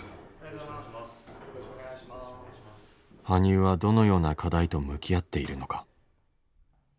羽生はどのような課題と向き合っているのか。